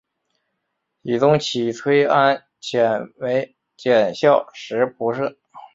僖宗起崔安潜为检校右仆射。